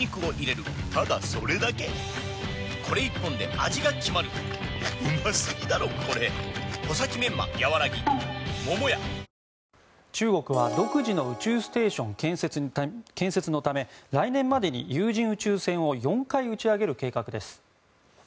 確かに早かったですがどのワクチンも中国は独自の宇宙ステーション建設のため来年までに有人宇宙船を４回打ち上げる計画です。